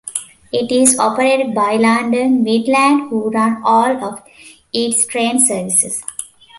It is operated by London Midland, who run all of its train services.